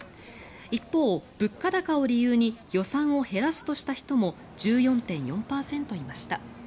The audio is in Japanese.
一方、物価高を理由に予算を減らすとした人も１４．４％いました。